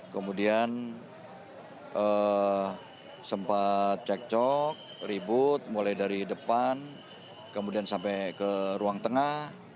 kemudian sempat cekcok ribut mulai dari depan kemudian sampai ke ruang tengah